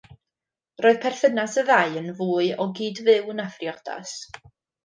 Roedd perthynas y ddau yn fwy o gyd-fyw na phriodas.